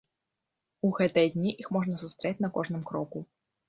У гэтыя дні іх можна сустрэць на кожным кроку.